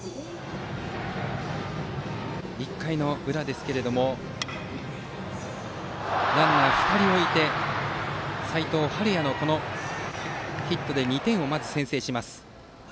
１回裏、ランナー２人置いて齋藤敏哉のヒットでまず２点を先制します。